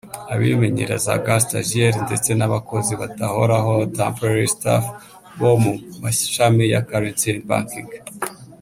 abimenyerezaga (stagiaires) ndetse n’abakozi badahoraho (temporary staff) bo mu mashami ya “currency and Banking